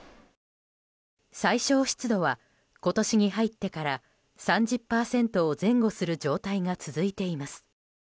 最小湿度は今年に入ってから３０％を前後する状態が続いています。